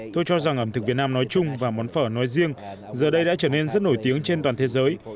tôi cho rằng ẩm thực việt nam nói chung và món phở nói riêng giờ đây đã trở nên rất nổi tiếng trên toàn thế giới